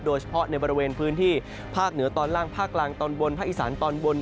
โดยเฉพาะในบริเวณพื้นที่ภาคเหนือตอนล่างภาคกลางตอนบนภาคอีสานตอนบน